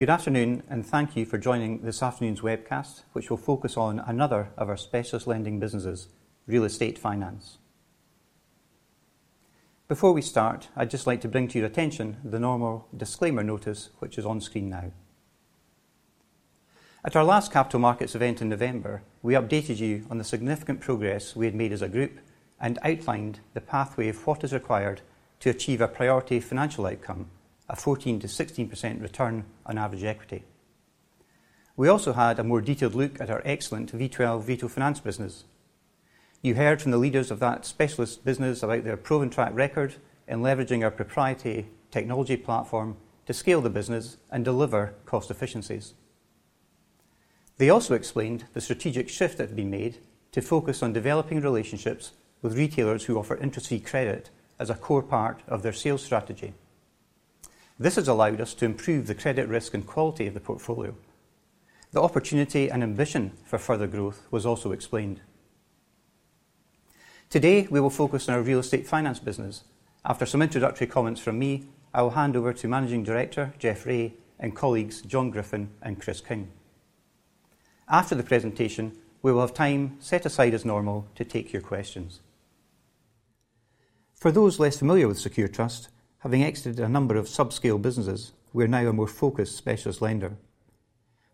Good afternoon, and thank you for joining this afternoon's webcast, which will focus on another of our specialist lending businesses: real estate finance. Before we start, I'd just like to bring to your attention the normal disclaimer notice which is on screen now. At our last Capital Markets event in November, we updated you on the significant progress we had made as a group and outlined the pathway of what is required to achieve a priority financial outcome: a 14%-16% return on average equity. We also had a more detailed look at our excellent V12 Retail Finance business. You heard from the leaders of that specialist business about their proven track record in leveraging our proprietary technology platform to scale the business and deliver cost efficiencies. They also explained the strategic shift that had been made to focus on developing relationships with retailers who offer interest-free credit as a core part of their sales strategy. This has allowed us to improve the credit risk and quality of the portfolio. The opportunity and ambition for further growth was also explained. Today, we will focus on our real estate finance business. After some introductory comments from me, I will hand over to Managing Director Geoff Ray and colleagues John Griffin and Chris King. After the presentation, we will have time set aside as normal to take your questions. For those less familiar with Secure Trust, having exited a number of subscale businesses, we are now a more focused specialist lender.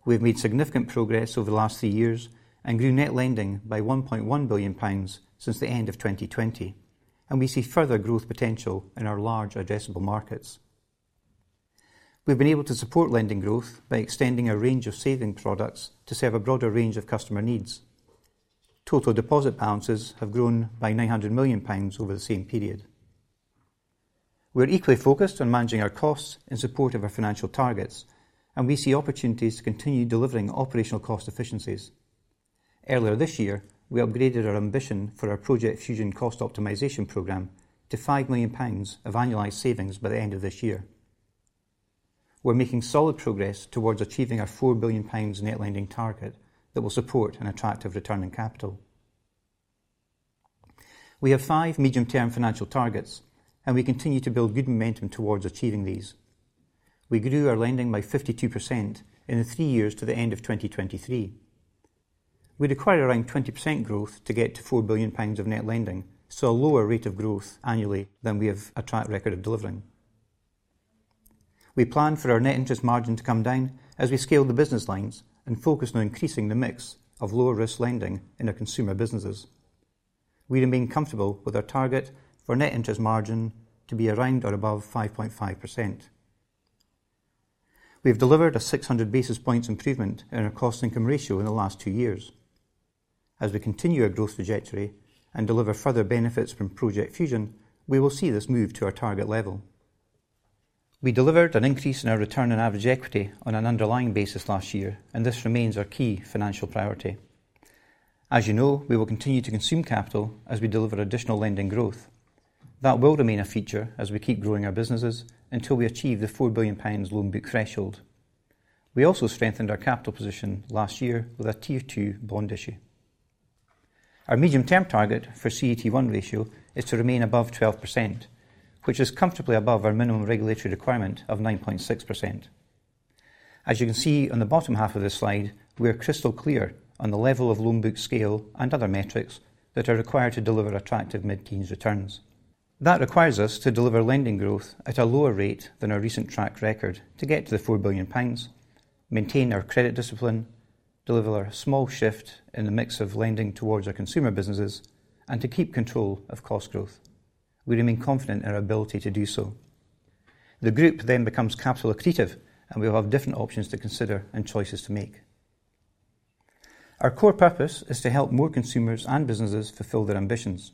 We have made significant progress over the last three years and grew net lending by 1.1 billion pounds since the end of 2020, and we see further growth potential in our large addressable markets. We have been able to support lending growth by extending a range of saving products to serve a broader range of customer needs. Total deposit balances have grown by 900 million pounds over the same period. We are equally focused on managing our costs in support of our financial targets, and we see opportunities to continue delivering operational cost efficiencies. Earlier this year, we upgraded our ambition for our Project Fusion cost optimization programme to 5 million pounds of annualised savings by the end of this year. We are making solid progress towards achieving our 4 billion pounds net lending target that will support an attractive return on capital. We have five medium-term financial targets, and we continue to build good momentum towards achieving these. We grew our lending by 52% in the three years to the end of 2023. We required around 20% growth to get to 4 billion pounds of net lending, so a lower rate of growth annually than we have a track record of delivering. We plan for our net interest margin to come down as we scale the business lines and focus on increasing the mix of lower-risk lending in our consumer businesses. We remain comfortable with our target for net interest margin to be around or above 5.5%. We have delivered a 600 basis points improvement in our cost-to-income ratio in the last two years. As we continue our growth trajectory and deliver further benefits from Project Fusion, we will see this move to our target level. We delivered an increase in our return on average equity on an underlying basis last year, and this remains our key financial priority. As you know, we will continue to consume capital as we deliver additional lending growth. That will remain a feature as we keep growing our businesses until we achieve the 4 billion pounds loan book threshold. We also strengthened our capital position last year with a Tier 2 bond issue. Our medium-term target for CET1 ratio is to remain above 12%, which is comfortably above our minimum regulatory requirement of 9.6%. As you can see on the bottom half of this slide, we are crystal clear on the level of loan book scale and other metrics that are required to deliver attractive mid-teens returns. That requires us to deliver lending growth at a lower rate than our recent track record to get to the 4 billion, maintain our credit discipline, deliver a small shift in the mix of lending towards our consumer businesses, and to keep control of cost growth. We remain confident in our ability to do so. The group then becomes capital accretive, and we will have different options to consider and choices to make. Our core purpose is to help more consumers and businesses fulfill their ambitions.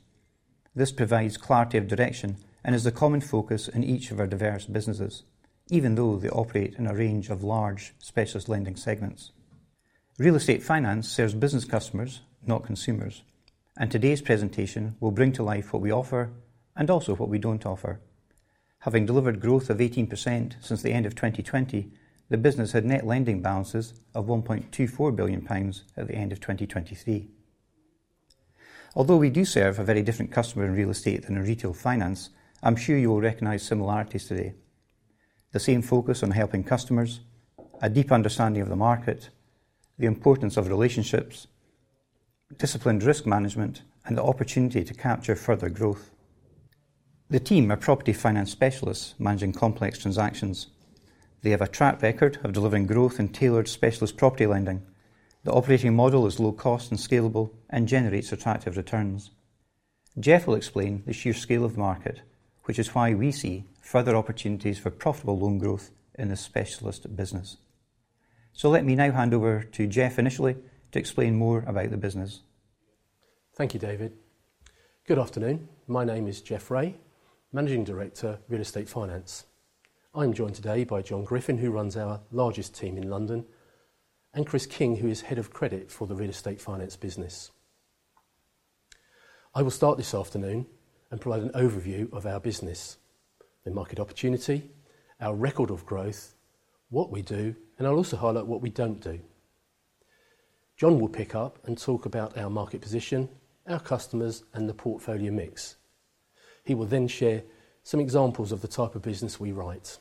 This provides clarity of direction and is the common focus in each of our diverse businesses, even though they operate in a range of large specialist lending segments. Real Estate Finance serves business customers, not consumers, and today's presentation will bring to life what we offer and also what we don't offer. Having delivered growth of 18% since the end of 2020, the business had net lending balances of 1.24 billion pounds at the end of 2023. Although we do serve a very different customer in real estate than in retail finance, I'm sure you will recognize similarities today: the same focus on helping customers, a deep understanding of the market, the importance of relationships, disciplined risk management, and the opportunity to capture further growth. The team are property finance specialists managing complex transactions. They have a track record of delivering growth in tailored specialist property lending. The operating model is low-cost and scalable and generates attractive returns. Geoff will explain the sheer scale of the market, which is why we see further opportunities for profitable loan growth in this specialist business. So let me now hand over to Geoff initially to explain more about the business. Thank you, David. Good afternoon. My name is Geoff Ray, Managing Director, Real Estate Finance. I'm joined today by John Griffin, who runs our largest team in London, and Chris King, who is Head of Credit for the Real Estate Finance business. I will start this afternoon and provide an overview of our business, the market opportunity, our record of growth, what we do, and I'll also highlight what we don't do. John will pick up and talk about our market position, our customers, and the portfolio mix. He will then share some examples of the type of business we write.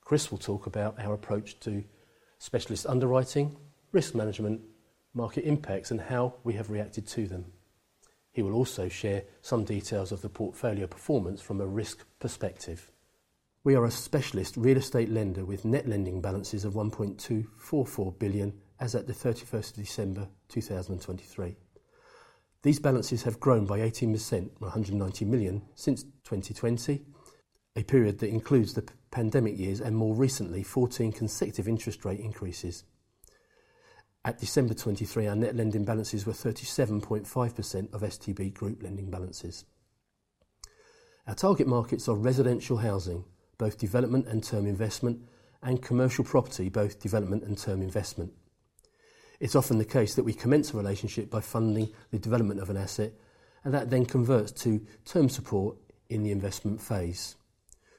Chris will talk about our approach to specialist underwriting, risk management, market impacts, and how we have reacted to them. He will also share some details of the portfolio performance from a risk perspective. We are a specialist real estate lender with net lending balances of 1.244 billion as of the 31st of December 2023. These balances have grown by 18%, 190 million, since 2020, a period that includes the pandemic years and more recently 14 consecutive interest rate increases. At December 2023, our net lending balances were 37.5% of STB Group lending balances. Our target markets are residential housing, both development and term investment, and commercial property, both development and term investment. It's often the case that we commence a relationship by funding the development of an asset, and that then converts to term support in the investment phase.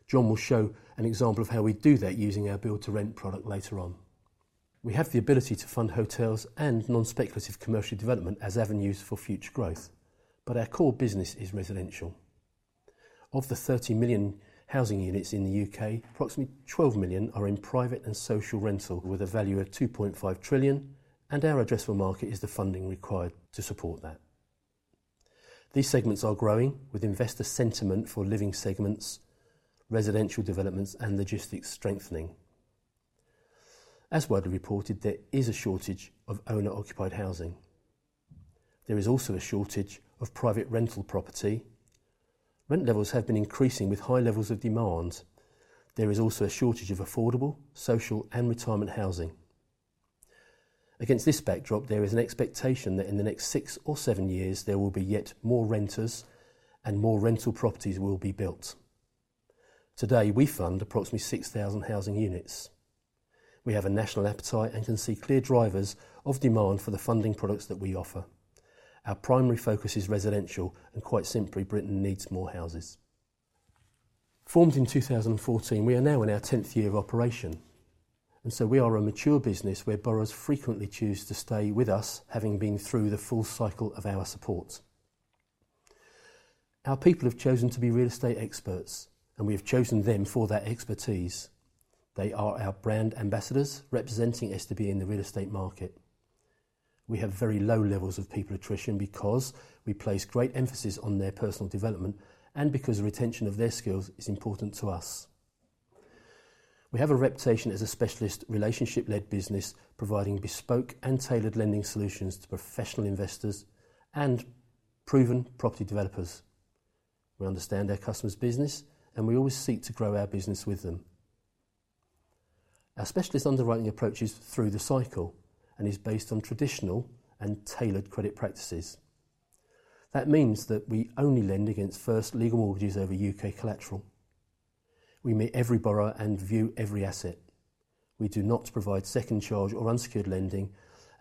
John will show an example of how we do that using our build-to-rent product later on. We have the ability to fund hotels and non-speculative commercial development as avenues for future growth, but our core business is residential. Of the 30 million housing units in the U.K., approximately 12 million are in private and social rental with a value of 2.5 trillion, and our addressable market is the funding required to support that. These segments are growing with investor sentiment for living segments, residential developments, and logistics strengthening. As widely reported, there is a shortage of owner-occupied housing. There is also a shortage of private rental property. Rent levels have been increasing with high levels of demand. There is also a shortage of affordable, social, and retirement housing. Against this backdrop, there is an expectation that in the next six or seven years, there will be yet more renters and more rental properties will be built. Today, we fund approximately 6,000 housing units. We have a national appetite and can see clear drivers of demand for the funding products that we offer. Our primary focus is residential, and quite simply, Britain needs more houses. Formed in 2014, we are now in our tenth year of operation, and so we are a mature business where borrowers frequently choose to stay with us, having been through the full cycle of our support. Our people have chosen to be real estate experts, and we have chosen them for that expertise. They are our brand ambassadors representing STB in the real estate market. We have very low levels of people attrition because we place great emphasis on their personal development and because retention of their skills is important to us. We have a reputation as a specialist relationship-led business, providing bespoke and tailored lending solutions to professional investors and proven property developers. We understand our customer's business, and we always seek to grow our business with them. Our specialist underwriting approach is through the cycle and is based on traditional and tailored credit practices. That means that we only lend against first legal mortgages over U.K. collateral. We meet every borrower and view every asset. We do not provide second charge or unsecured lending,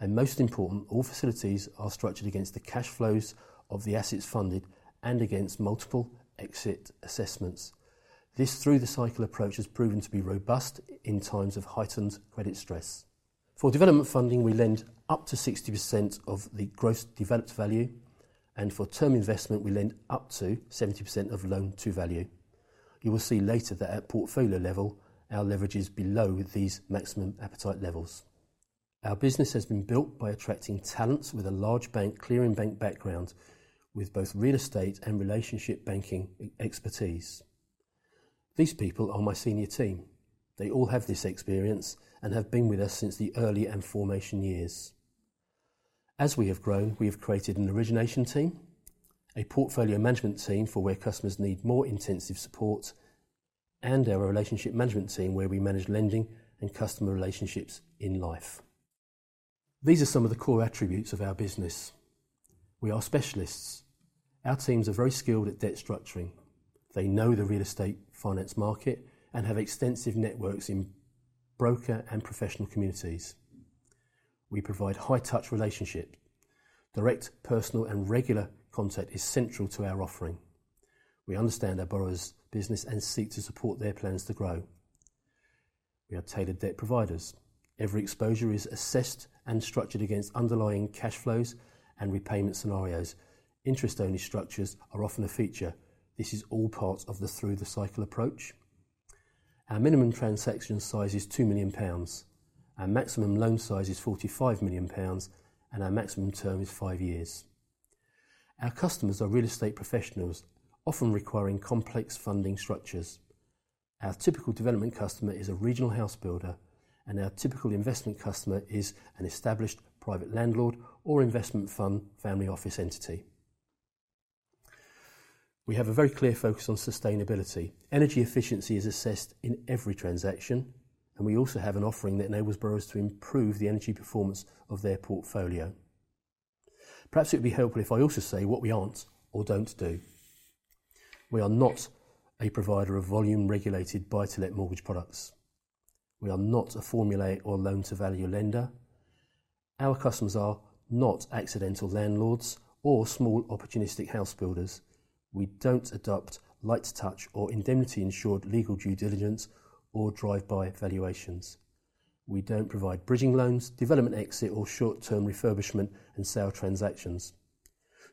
and most importantly, all facilities are structured against the cash flows of the assets funded and against multiple exit assessments. This through-the-cycle approach has proven to be robust in times of heightened credit stress. For development funding, we lend up to 60% of the Gross Development Value, and for term investment, we lend up to 70% of loan-to-value. You will see later that at portfolio level, our leverage is below these maximum appetite levels. Our business has been built by attracting talents with a large bank clearing bank background, with both real estate and relationship banking expertise. These people are my senior team. They all have this experience and have been with us since the early and formation years. As we have grown, we have created an origination team, a portfolio management team for where customers need more intensive support, and our relationship management team where we manage lending and customer relationships in life. These are some of the core attributes of our business. We are specialists. Our teams are very skilled at debt structuring. They know the real estate finance market and have extensive networks in broker and professional communities. We provide high-touch relationship. Direct, personal, and regular contact is central to our offering. We understand our borrowers' business and seek to support their plans to grow. We are tailored debt providers. Every exposure is assessed and structured against underlying cash flows and repayment scenarios. Interest-only structures are often a feature. This is all part of the through-the-cycle approach. Our minimum transaction size is 2 million pounds. Our maximum loan size is 45 million pounds, and our maximum term is five years. Our customers are real estate professionals, often requiring complex funding structures. Our typical development customer is a regional house builder, and our typical investment customer is an established private landlord or investment fund family office entity. We have a very clear focus on sustainability. Energy efficiency is assessed in every transaction, and we also have an offering that enables borrowers to improve the energy performance of their portfolio. Perhaps it would be helpful if I also say what we aren't or don't do. We are not a provider of volume-regulated buy-to-let mortgage products. We are not a formula or loan-to-value lender. Our customers are not accidental landlords or small opportunistic house builders. We don't adopt light touch or indemnity-insured legal due diligence or drive-by valuations. We don't provide bridging loans, development exit, or short-term refurbishment and sale transactions.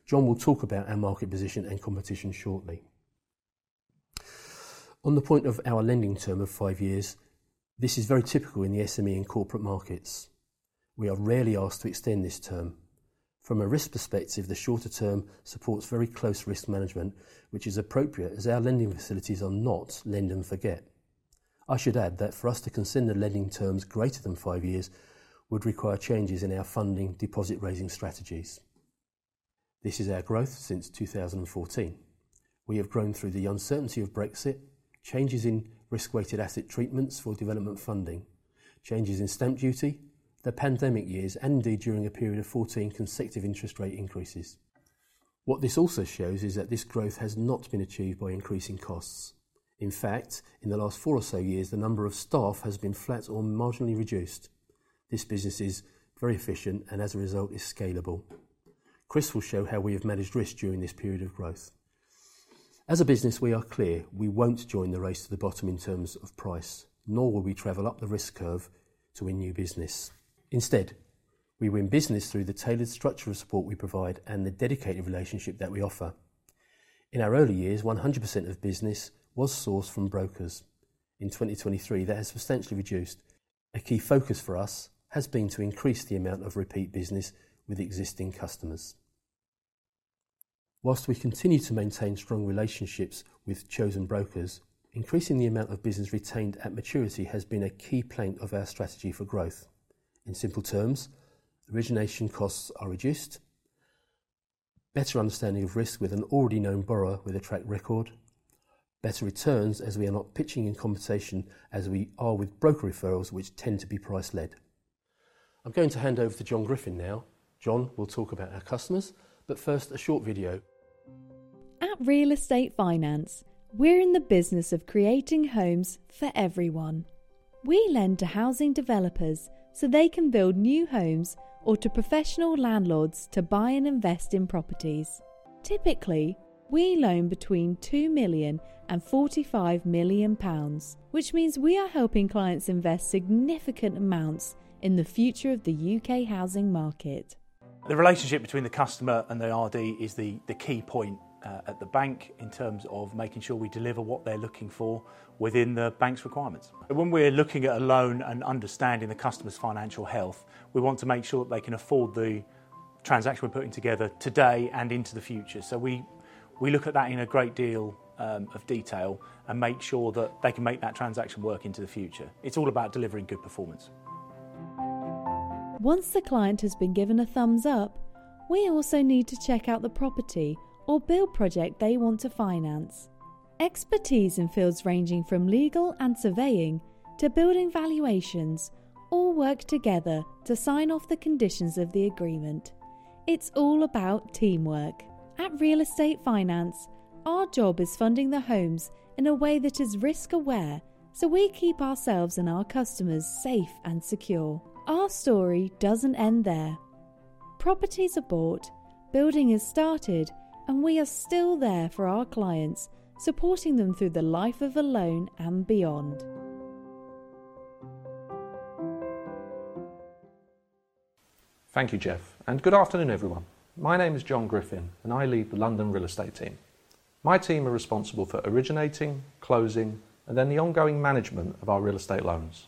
John will talk about our market position and competition shortly. On the point of our lending term of five years, this is very typical in the SME and corporate markets. We are rarely asked to extend this term. From a risk perspective, the shorter term supports very close risk management, which is appropriate as our lending facilities are not lend-and-forget. I should add that for us to consider lending terms greater than five years would require changes in our funding deposit-raising strategies. This is our growth since 2014. We have grown through the uncertainty of Brexit, changes in risk-weighted asset treatments for development funding, changes in stamp duty, the pandemic years, and indeed during a period of 14 consecutive interest rate increases. What this also shows is that this growth has not been achieved by increasing costs. In fact, in the last four or so years, the number of staff has been flat or marginally reduced. This business is very efficient and, as a result, is scalable. Chris will show how we have managed risk during this period of growth. As a business, we are clear we won't join the race to the bottom in terms of price, nor will we travel up the risk curve to win new business. Instead, we win business through the tailored structure of support we provide and the dedicated relationship that we offer. In our early years, 100% of business was sourced from brokers. In 2023, that has substantially reduced. A key focus for us has been to increase the amount of repeat business with existing customers. While we continue to maintain strong relationships with chosen brokers, increasing the amount of business retained at maturity has been a key point of our strategy for growth. In simple terms, origination costs are reduced, better understanding of risk with an already known borrower with a track record, better returns as we are not pitching in competition as we are with broker referrals, which tend to be price-led. I'm going to hand over to John Griffin now. John will talk about our customers, but first, a short video. At Real Estate Finance, we're in the business of creating homes for everyone. We lend to housing developers so they can build new homes or to professional landlords to buy and invest in properties. Typically, we loan between 2 million and 45 million pounds, which means we are helping clients invest significant amounts in the future of the U.K. housing market. The relationship between the customer and the RD is the key point at the bank in terms of making sure we deliver what they're looking for within the bank's requirements. When we're looking at a loan and understanding the customer's financial health, we want to make sure that they can afford the transaction we're putting together today and into the future. We look at that in a great deal of detail and make sure that they can make that transaction work into the future. It's all about delivering good performance. Once the client has been given a thumbs up, we also need to check out the property or build project they want to finance. Expertise in fields ranging from legal and surveying to building valuations all work together to sign off the conditions of the agreement. It's all about teamwork. At Real Estate Finance, our job is funding the homes in a way that is risk-aware so we keep ourselves and our customers safe and secure. Our story doesn't end there. Properties are bought, building is started, and we are still there for our clients, supporting them through the life of a loan and beyond. Thank you, Geoff, and good afternoon, everyone. My name is John Griffin, and I lead the London Real Estate team. My team are responsible for originating, closing, and then the ongoing management of our real estate loans.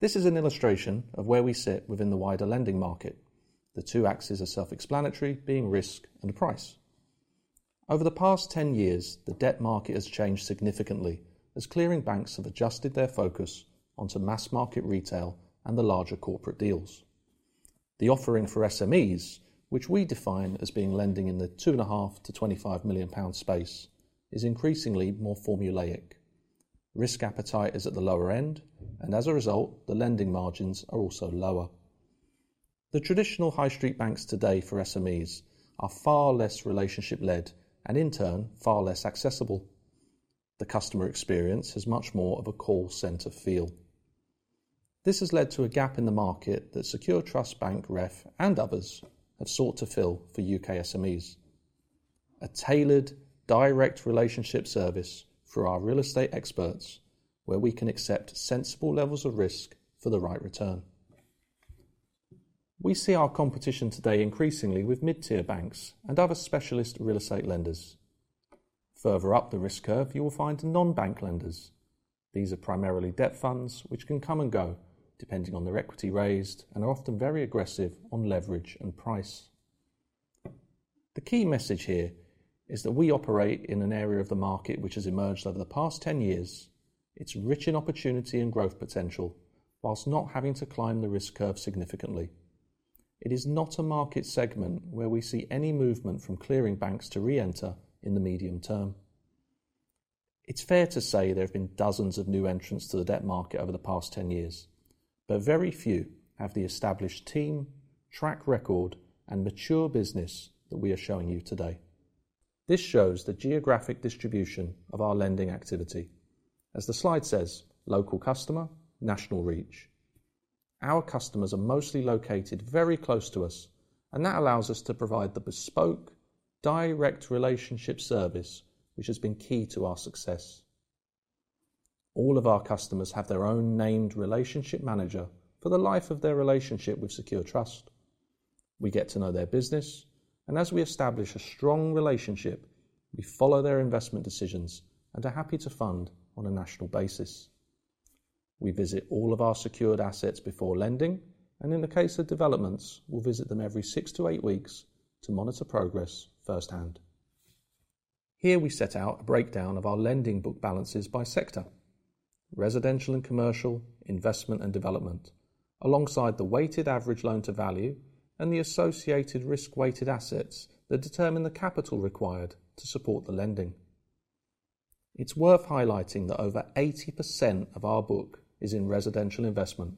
This is an illustration of where we sit within the wider lending market. The two axes are self-explanatory, being risk and price. Over the past 10 years, the debt market has changed significantly as clearing banks have adjusted their focus onto mass market retail and the larger corporate deals. The offering for SMEs, which we define as being lending in the 2.5 million-25 million pound space, is increasingly more formulaic. Risk appetite is at the lower end, and as a result, the lending margins are also lower. The traditional high street banks today for SMEs are far less relationship-led and, in turn, far less accessible. The customer experience has much more of a call-center feel. This has led to a gap in the market that Secure Trust Bank, REF, and others have sought to fill for U.K. SMEs. A tailored, direct relationship service for our real estate experts where we can accept sensible levels of risk for the right return. We see our competition today increasingly with mid-tier banks and other specialist real estate lenders. Further up the risk curve, you will find non-bank lenders. These are primarily debt funds, which can come and go depending on the equity raised and are often very aggressive on leverage and price. The key message here is that we operate in an area of the market which has emerged over the past 10 years. It's rich in opportunity and growth potential while not having to climb the risk curve significantly. It is not a market segment where we see any movement from clearing banks to re-enter in the medium term. It's fair to say there have been dozens of new entrants to the debt market over the past 10 years, but very few have the established team, track record, and mature business that we are showing you today. This shows the geographic distribution of our lending activity. As the slide says, local customer, national reach. Our customers are mostly located very close to us, and that allows us to provide the bespoke, direct relationship service, which has been key to our success. All of our customers have their own named relationship manager for the life of their relationship with Secure Trust. We get to know their business, and as we establish a strong relationship, we follow their investment decisions and are happy to fund on a national basis. We visit all of our secured assets before lending, and in the case of developments, we'll visit them every 6-8 weeks to monitor progress firsthand. Here we set out a breakdown of our lending book balances by sector: residential and commercial, investment and development, alongside the weighted average loan-to-value and the associated risk-weighted assets that determine the capital required to support the lending. It's worth highlighting that over 80% of our book is in residential investment.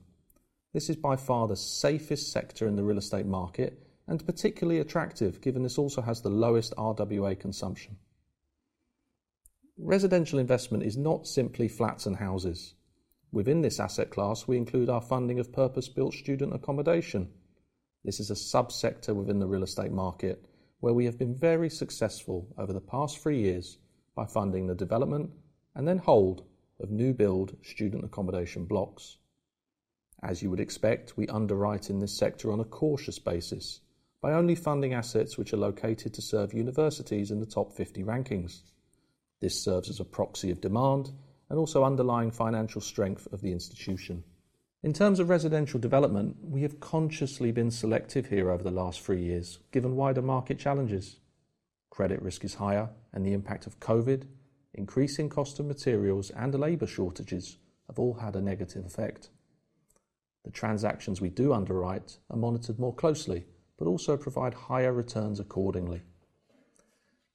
This is by far the safest sector in the real estate market and particularly attractive given this also has the lowest RWA consumption. Residential investment is not simply flats and houses. Within this asset class, we include our funding of purpose-built student accommodation. This is a sub-sector within the real estate market where we have been very successful over the past three years by funding the development and then hold of new-build student accommodation blocks. As you would expect, we underwrite in this sector on a cautious basis by only funding assets which are located to serve universities in the top 50 rankings. This serves as a proxy of demand and also underlying financial strength of the institution. In terms of residential development, we have consciously been selective here over the last three years given wider market challenges. Credit risk is higher, and the impact of COVID, increasing cost of materials, and labor shortages have all had a negative effect. The transactions we do underwrite are monitored more closely, but also provide higher returns accordingly.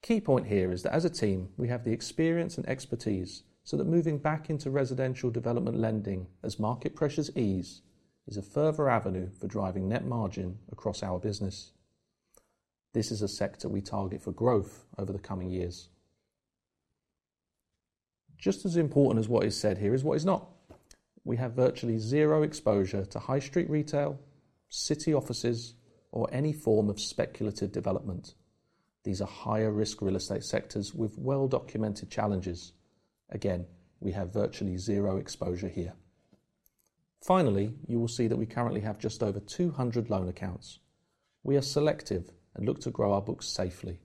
Key point here is that as a team, we have the experience and expertise so that moving back into residential development lending as market pressures ease is a further avenue for driving net margin across our business. This is a sector we target for growth over the coming years. Just as important as what is said here is what is not. We have virtually zero exposure to high street retail, city offices, or any form of speculative development. These are higher risk real estate sectors with well-documented challenges. Again, we have virtually zero exposure here. Finally, you will see that we currently have just over 200 loan accounts. We are selective and look to grow our books safely.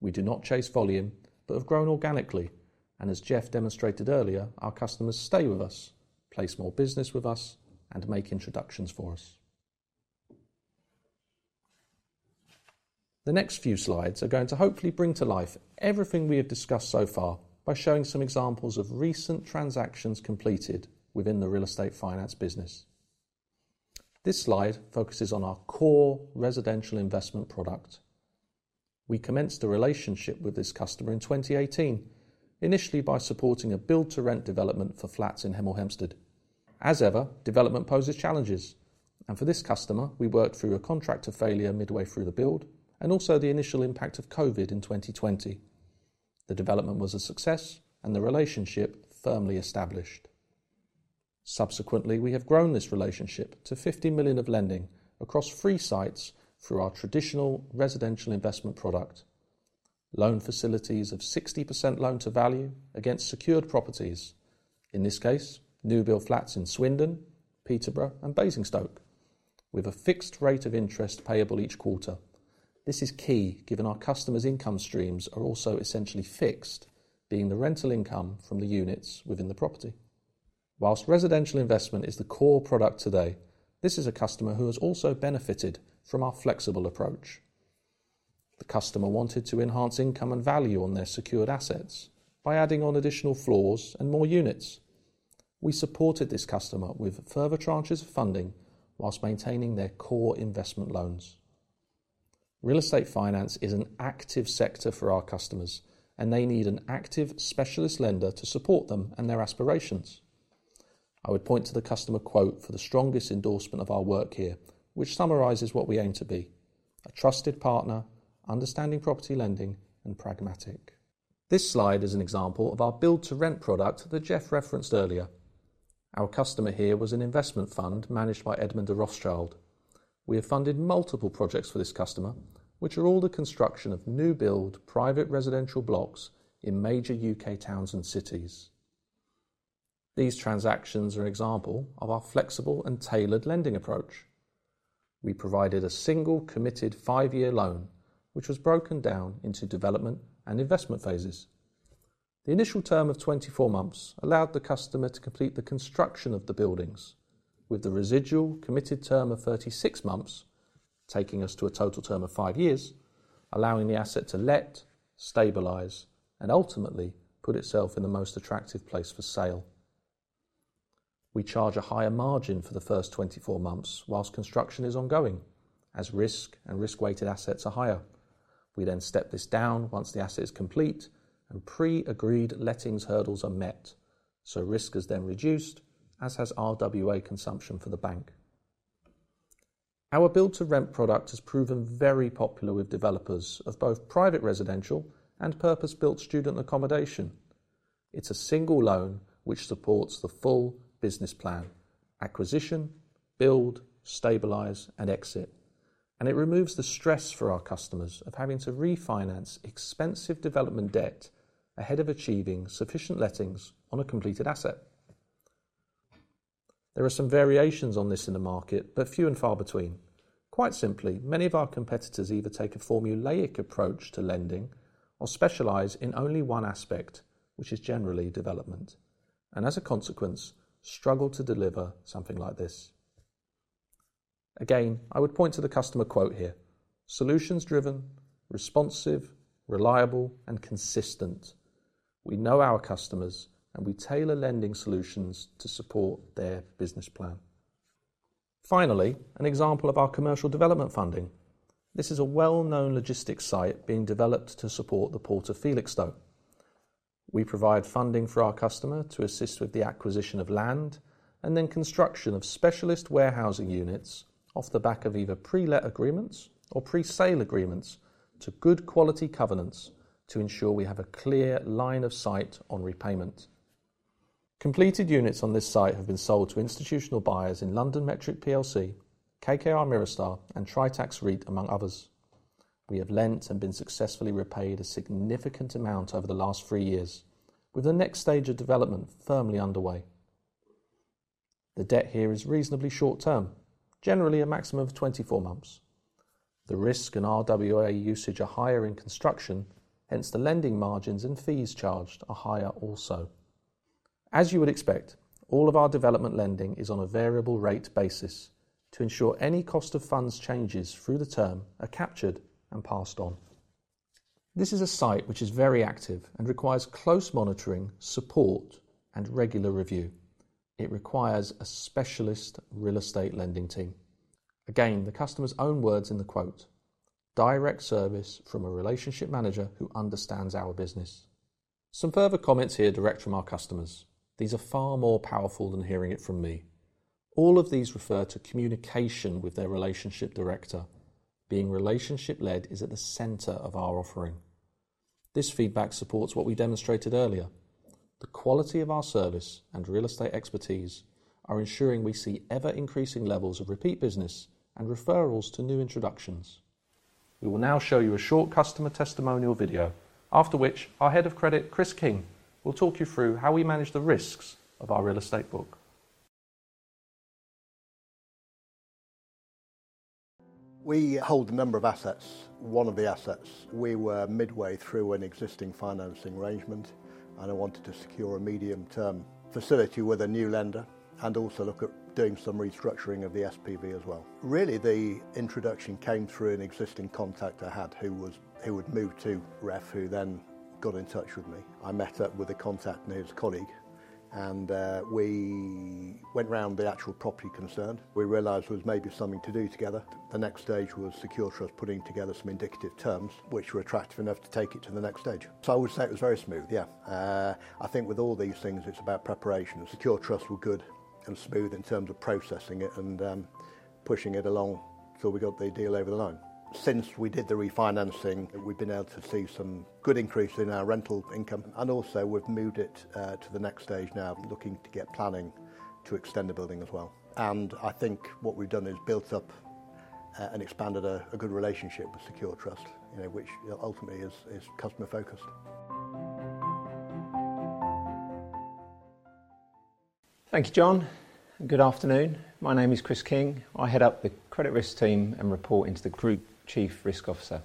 We do not chase volume, but have grown organically, and as Geoff demonstrated earlier, our customers stay with us, place more business with us, and make introductions for us. The next few slides are going to hopefully bring to life everything we have discussed so far by showing some examples of recent transactions completed within the real estate finance business. This slide focuses on our core residential investment product. We commenced a relationship with this customer in 2018, initially by supporting a build-to-rent development for flats in Hemel Hempstead. As ever, development poses challenges, and for this customer, we worked through a contractor failure midway through the build and also the initial impact of COVID in 2020. The development was a success and the relationship firmly established. Subsequently, we have grown this relationship to 50 million of lending across three sites through our traditional residential investment product. Loan facilities of 60% loan-to-value against secured properties, in this case, new-build flats in Swindon, Peterborough, and Basingstoke, with a fixed rate of interest payable each quarter. This is key given our customers' income streams are also essentially fixed, being the rental income from the units within the property. While residential investment is the core product today, this is a customer who has also benefited from our flexible approach. The customer wanted to enhance income and value on their secured assets by adding on additional floors and more units. We supported this customer with further tranches of funding while maintaining their core investment loans. Real Estate Finance is an active sector for our customers, and they need an active specialist lender to support them and their aspirations. I would point to the customer quote for the strongest endorsement of our work here, which summarizes what we aim to be: a trusted partner, understanding property lending, and pragmatic. This slide is an example of our Build-to-Rent product that Geoff referenced earlier. Our customer here was an investment fund managed by Edmond de Rothschild. We have funded multiple projects for this customer, which are all the construction of new-build private residential blocks in major U.K. towns and cities. These transactions are an example of our flexible and tailored lending approach. We provided a single committed 5-year loan, which was broken down into development and investment phases. The initial term of 24 months allowed the customer to complete the construction of the buildings, with the residual committed term of 36 months taking us to a total term of five years, allowing the asset to let, stabilize, and ultimately put itself in the most attractive place for sale. We charge a higher margin for the first 24 months while construction is ongoing, as risk and risk-weighted assets are higher. We then step this down once the asset is complete and pre-agreed letting hurdles are met, so risk is then reduced, as has RWA consumption for the bank. Our build-to-rent product has proven very popular with developers of both private residential and purpose-built student accommodation. It's a single loan which supports the full business plan: acquisition, build, stabilize, and exit, and it removes the stress for our customers of having to refinance expensive development debt ahead of achieving sufficient lettings on a completed asset. There are some variations on this in the market, but few and far between. Quite simply, many of our competitors either take a formulaic approach to lending or specialize in only one aspect, which is generally development, and as a consequence, struggle to deliver something like this. Again, I would point to the customer quote here: solutions-driven, responsive, reliable, and consistent. We know our customers, and we tailor lending solutions to support their business plan. Finally, an example of our commercial development funding. This is a well-known logistics site being developed to support the Port of Felixstowe. We provide funding for our customer to assist with the acquisition of land and then construction of specialist warehousing units off the back of either pre-let agreements or pre-sale agreements to good quality covenants to ensure we have a clear line of sight on repayment. Completed units on this site have been sold to institutional buyers in LondonMetric PLC, KKR Mirastar, and Tritax REIT, among others. We have lent and been successfully repaid a significant amount over the last three years, with the next stage of development firmly underway. The debt here is reasonably short-term, generally a maximum of 24 months. The risk and RWA usage are higher in construction, hence the lending margins and fees charged are higher also. As you would expect, all of our development lending is on a variable rate basis to ensure any cost of funds changes through the term are captured and passed on. This is a site which is very active and requires close monitoring, support, and regular review. It requires a specialist real estate lending team. Again, the customer's own words in the quote: direct service from a relationship manager who understands our business. Some further comments here direct from our customers. These are far more powerful than hearing it from me. All of these refer to communication with their relationship director. Being relationship-led is at the center of our offering. This feedback supports what we demonstrated earlier. The quality of our service and real estate expertise are ensuring we see ever-increasing levels of repeat business and referrals to new introductions. We will now show you a short customer testimonial video, after which our Head of Credit, Chris King, will talk you through how we manage the risks of our real estate book. We hold a number of assets. One of the assets, we were midway through an existing financing arrangement, and I wanted to secure a medium-term facility with a new lender and also look at doing some restructuring of the SPV as well. Really, the introduction came through an existing contact I had who would move to REF, who then got in touch with me. I met up with the contact and his colleague, and we went around the actual property concerned. We realized there was maybe something to do together. The next stage was Secure Trust putting together some indicative terms which were attractive enough to take it to the next stage. So I would say it was very smooth, yeah. I think with all these things, it's about preparation. Secure Trust were good and smooth in terms of processing it and pushing it along till we got the deal over the line. Since we did the refinancing, we've been able to see some good increase in our rental income, and also we've moved it to the next stage now, looking to get planning to extend the building as well. And I think what we've done is built up and expanded a good relationship with Secure Trust, which ultimately is customer-focused. Thank you, John. Good afternoon. My name is Chris King. I head up the credit risk team and report into the Group Chief Risk Officer.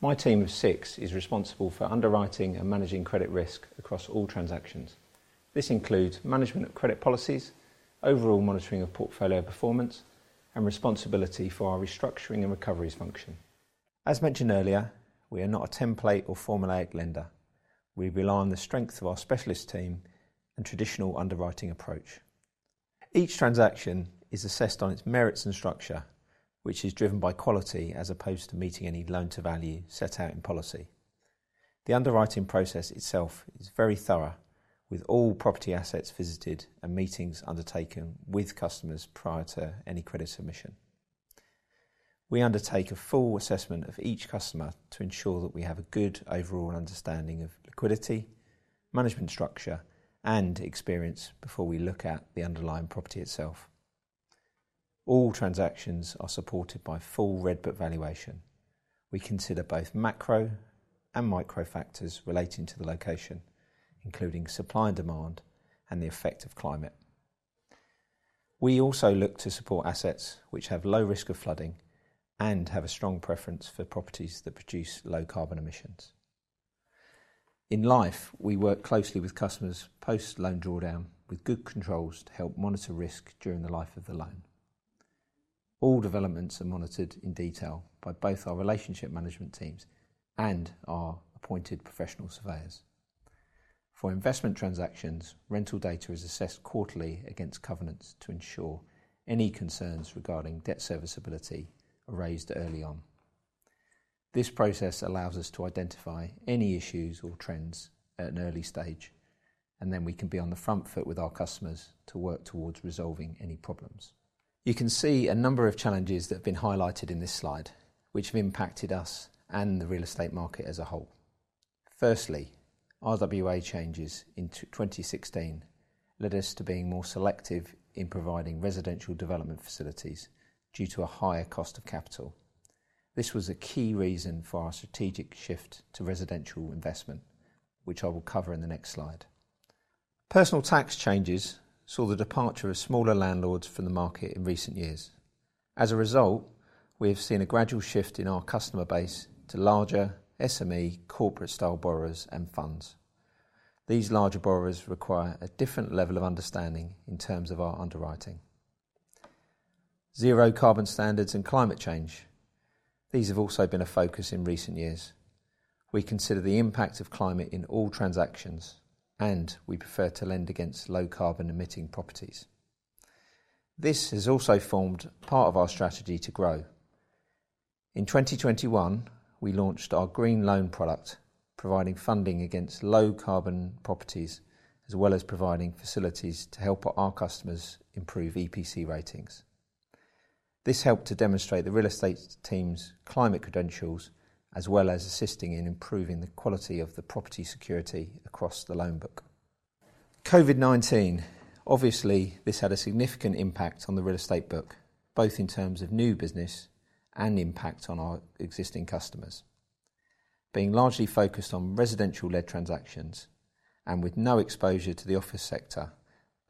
My team of six is responsible for underwriting and managing credit risk across all transactions. This includes management of credit policies, overall monitoring of portfolio performance, and responsibility for our restructuring and recoveries function. As mentioned earlier, we are not a template or formulaic lender. We rely on the strength of our specialist team and traditional underwriting approach. Each transaction is assessed on its merits and structure, which is driven by quality as opposed to meeting any loan-to-value set out in policy. The underwriting process itself is very thorough, with all property assets visited and meetings undertaken with customers prior to any credit submission. We undertake a full assessment of each customer to ensure that we have a good overall understanding of liquidity, management structure, and experience before we look at the underlying property itself. All transactions are supported by full Red Book valuation. We consider both macro and micro factors relating to the location, including supply and demand and the effect of climate. We also look to support assets which have low risk of flooding and have a strong preference for properties that produce low carbon emissions. In life, we work closely with customers post loan drawdown with good controls to help monitor risk during the life of the loan. All developments are monitored in detail by both our relationship management teams and our appointed professional surveyors. For investment transactions, rental data is assessed quarterly against covenants to ensure any concerns regarding debt serviceability are raised early on. This process allows us to identify any issues or trends at an early stage, and then we can be on the front foot with our customers to work towards resolving any problems. You can see a number of challenges that have been highlighted in this slide, which have impacted us and the real estate market as a whole. Firstly, RWA changes in 2016 led us to being more selective in providing residential development facilities due to a higher cost of capital. This was a key reason for our strategic shift to residential investment, which I will cover in the next slide. Personal tax changes saw the departure of smaller landlords from the market in recent years. As a result, we have seen a gradual shift in our customer base to larger SME corporate-style borrowers and funds. These larger borrowers require a different level of understanding in terms of our underwriting. Zero carbon standards and climate change. These have also been a focus in recent years. We consider the impact of climate in all transactions, and we prefer to lend against low carbon emitting properties. This has also formed part of our strategy to grow. In 2021, we launched our Green Loan product, providing funding against low carbon properties as well as providing facilities to help our customers improve EPC ratings. This helped to demonstrate the real estate team's climate credentials as well as assisting in improving the quality of the property security across the loan book. COVID-19, obviously, this had a significant impact on the real estate book, both in terms of new business and impact on our existing customers. Being largely focused on residential-led transactions and with no exposure to the office sector,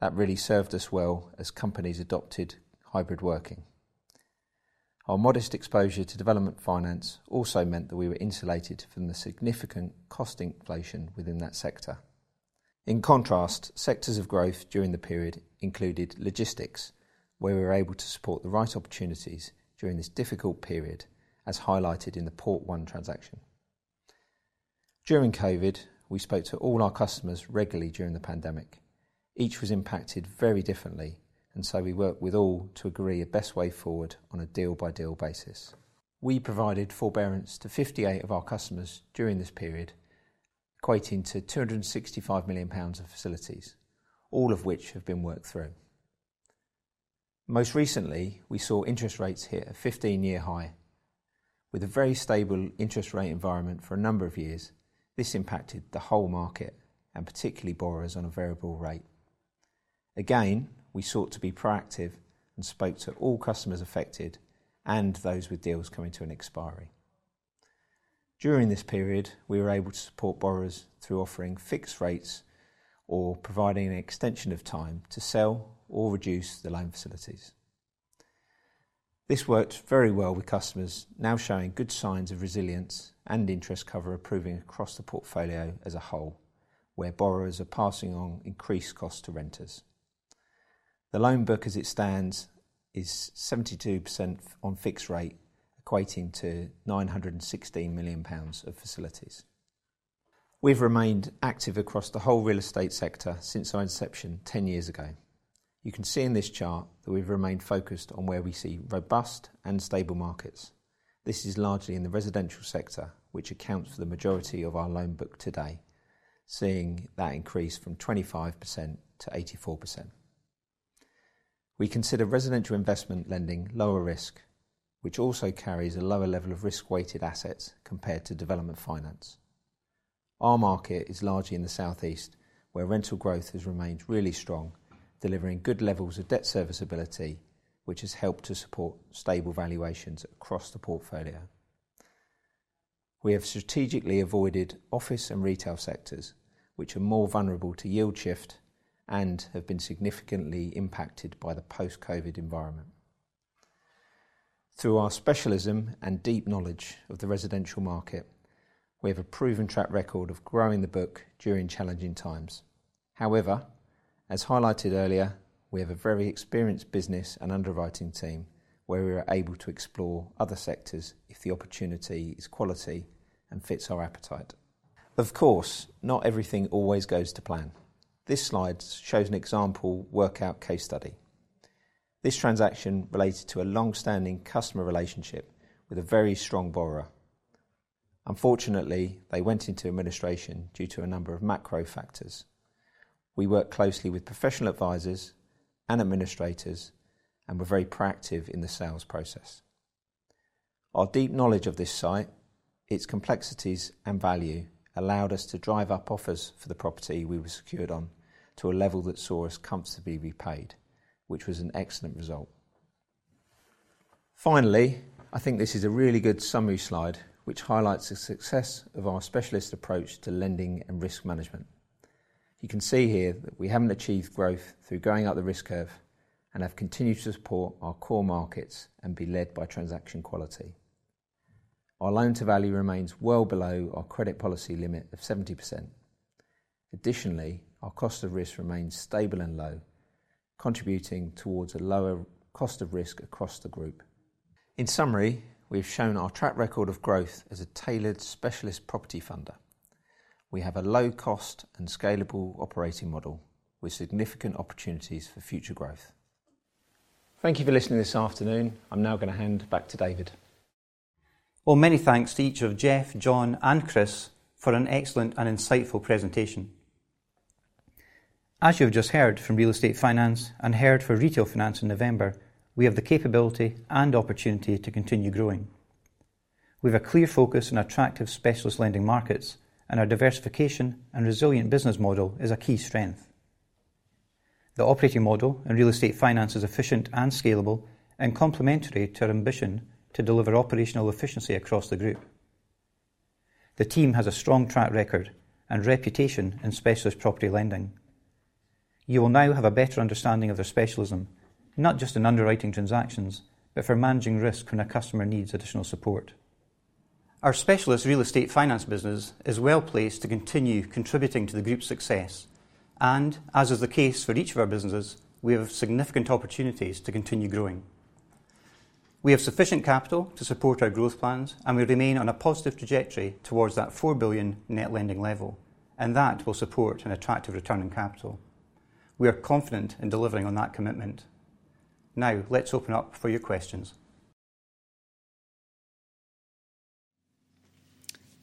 that really served us well as companies adopted hybrid working. Our modest exposure to development finance also meant that we were insulated from the significant cost inflation within that sector. In contrast, sectors of growth during the period included logistics, where we were able to support the right opportunities during this difficult period, as highlighted in the Port One transaction. During COVID, we spoke to all our customers regularly during the pandemic. Each was impacted very differently, and so we worked with all to agree a best way forward on a deal-by-deal basis. We provided forbearance to 58 of our customers during this period, equating to 265 million pounds of facilities, all of which have been worked through. Most recently, we saw interest rates hit a 15-year high. With a very stable interest rate environment for a number of years, this impacted the whole market and particularly borrowers on a variable rate. Again, we sought to be proactive and spoke to all customers affected and those with deals coming to an expiry. During this period, we were able to support borrowers through offering fixed rates or providing an extension of time to sell or reduce the loan facilities. This worked very well with customers now showing good signs of resilience and interest cover approving across the portfolio as a whole, where borrowers are passing on increased costs to renters. The loan book, as it stands, is 72% on fixed rate, equating to 916 million pounds of facilities. We've remained active across the whole real estate sector since our inception 10 years ago. You can see in this chart that we've remained focused on where we see robust and stable markets. This is largely in the residential sector, which accounts for the majority of our loan book today, seeing that increase from 25%-84%. We consider residential investment lending lower risk, which also carries a lower level of risk-weighted assets compared to development finance. Our market is largely in the southeast, where rental growth has remained really strong, delivering good levels of debt serviceability, which has helped to support stable valuations across the portfolio. We have strategically avoided office and retail sectors, which are more vulnerable to yield shift and have been significantly impacted by the post-COVID environment. Through our specialism and deep knowledge of the residential market, we have a proven track record of growing the book during challenging times. However, as highlighted earlier, we have a very experienced business and underwriting team, where we are able to explore other sectors if the opportunity is quality and fits our appetite. Of course, not everything always goes to plan. This slide shows an example workout case study. This transaction related to a long-standing customer relationship with a very strong borrower. Unfortunately, they went into administration due to a number of macro factors. We work closely with professional advisors and administrators and were very proactive in the sales process. Our deep knowledge of this site, its complexities and value allowed us to drive up offers for the property we were secured on to a level that saw us comfortably repaid, which was an excellent result. Finally, I think this is a really good summary slide, which highlights the success of our specialist approach to lending and risk management. You can see here that we haven't achieved growth through going up the risk curve and have continued to support our core markets and be led by transaction quality. Our loan-to-value remains well below our credit policy limit of 70%. Additionally, our cost of risk remains stable and low, contributing toward a lower cost of risk across the group. In summary, we have shown our track record of growth as a tailored specialist property funder. We have a low-cost and scalable operating model with significant opportunities for future growth. Thank you for listening this afternoon. I'm now going to hand back to David. Well, many thanks to each of Geoff, John, and Chris for an excellent and insightful presentation. As you have just heard from real estate finance and heard for retail finance in November, we have the capability and opportunity to continue growing. We have a clear focus on attractive specialist lending markets, and our diversification and resilient business model is a key strength. The operating model in real estate finance is efficient and scalable and complementary to our ambition to deliver operational efficiency across the group. The team has a strong track record and reputation in specialist property lending. You will now have a better understanding of their specialism, not just in underwriting transactions, but for managing risk when a customer needs additional support. Our specialist real estate finance business is well placed to continue contributing to the group's success, and as is the case for each of our businesses, we have significant opportunities to continue growing. We have sufficient capital to support our growth plans, and we remain on a positive trajectory towards that 4 billion net lending level, and that will support an attractive return on capital. We are confident in delivering on that commitment. Now, let's open up for your questions.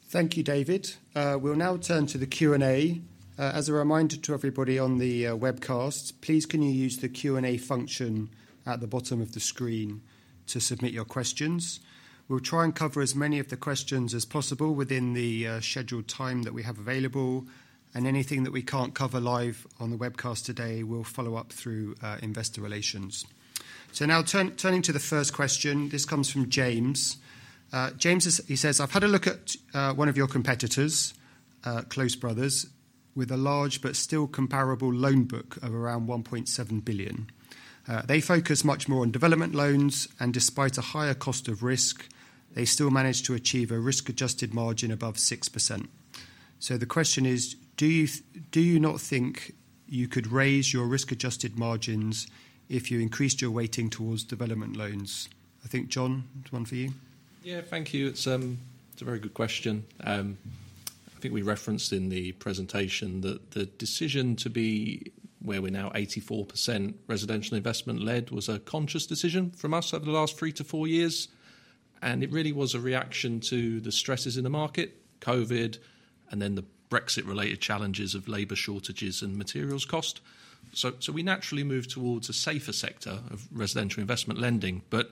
Thank you, David. We'll now turn to the Q&A. As a reminder to everybody on the webcast, please can you use the Q&A function at the bottom of the screen to submit your questions. We'll try and cover as many of the questions as possible within the scheduled time that we have available, and anything that we can't cover live on the webcast today, we'll follow up through investor relations. So now turning to the first question, this comes from James. James, he says, "I've had a look at one of your competitors, Close Brothers, with a large but still comparable loan book of around 1.7 billion. They focus much more on development loans, and despite a higher cost of risk, they still manage to achieve a risk-adjusted margin above 6%." So the question is, do you not think you could raise your risk-adjusted margins if you increased your weighting towards development loans? I think, John, one for you. Yeah, thank you. It's a very good question. I think we referenced in the presentation that the decision to be where we're now, 84% residential investment-led, was a conscious decision from us over the last 3 years-4 years, and it really was a reaction to the stresses in the market, COVID, and then the Brexit-related challenges of labor shortages and materials cost. So we naturally moved towards a safer sector of residential investment lending, but